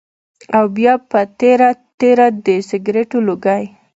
او بيا پۀ تېره تېره د سګرټو لوګی